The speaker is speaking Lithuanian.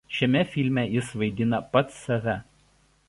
Šiame filme jis vaidina pats save.